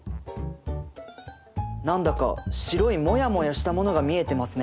何だか白いモヤモヤしたものが見えてますね。